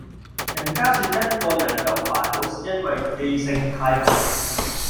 人家說一個人有煩惱是因為記性太好